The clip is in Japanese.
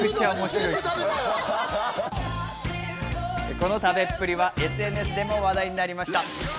この食べっぷりはＳＮＳでも話題になりました。